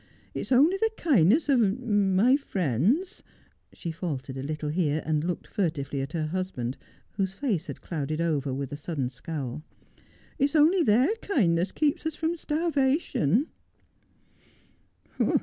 It's only the kindness of — my friends '— she faltered a little here, and looked furtively at her husband, whose face had clouded over with a sudden scowl — 'it's only their kindness keeps us from starvation.'